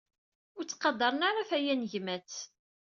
Ur ttqadaren ara tayanegmat.